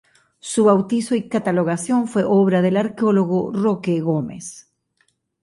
Su bautizo y catalogación fue obra del arqueólogo Roque Gómez.